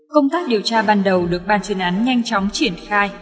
công tác điều tra ban đầu được ban chuyên án nhanh chóng triển khai